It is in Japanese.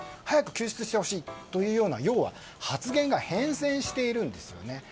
早く救出してほしいというような要は発言が変遷しているんですね。